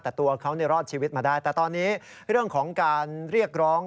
แต่ตัวเขารอดชีวิตมาได้แต่ตอนนี้เรื่องของการเรียกร้อง